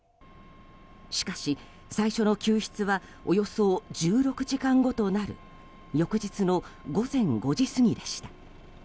しかし、最初の救出はおよそ１４時間ごとなる翌日の午前５時過ぎでした。